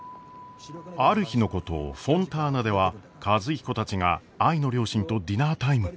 ある日のことフォンターナでは和彦たちが愛の両親とディナータイム。